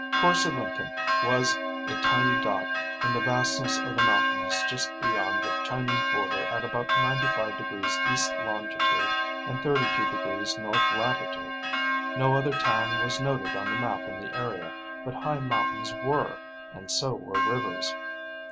Korse Lenken was a tiny dot in the vastness of the mountains just beyond the Chinese border at about 95° east longitude and 32° north latitude. No other town was noted on the map in the area, but high mountains were, and so were rivers.